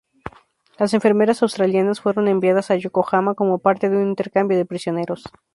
Las enfermeras australianas fueron enviadas a Yokohama como parte de un intercambio de prisioneros.